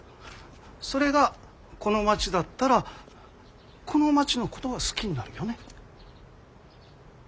それがこの町だったらこの町のことが好きになるよね？